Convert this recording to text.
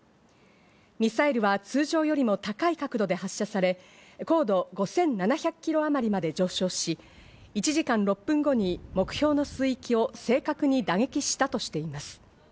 ミサイルは通常よりも高い角度で発射され、高度５７００ｋｍあまりまで上昇し、１時間６分後に目標の水域を正確に打撃したとしています。